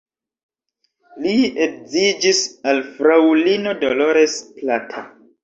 Li edziĝis al fraŭlino Dolores Plata.